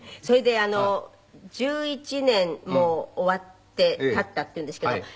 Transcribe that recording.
それであの１１年もう終わって経ったっていうんですけど。